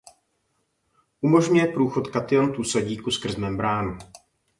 Umožňuje průchod kationtů sodíku skrz membránu.